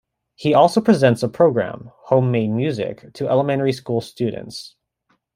He also presents a program, "Homemade Music" to elementary school students.